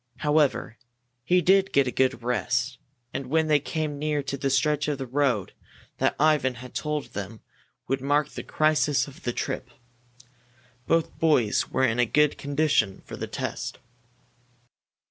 However, he did get a good rest, and when they came near to the stretch of road that Ivan had told them would mark the crisis of the trip, both boys were in good condition for the test.